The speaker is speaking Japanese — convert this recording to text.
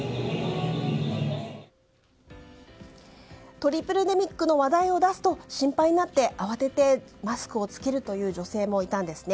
トリプルデミックの話題を出すと心配になって、慌ててマスクを着ける女性もいたんです。